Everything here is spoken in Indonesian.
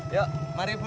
yuk mari bu